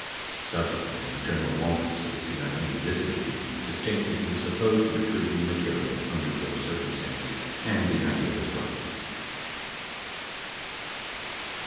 Subsequently, General Walters of the CIA visited Dean to state that he was opposed to retrieving the material under those cir cumstances and the idea was dropped.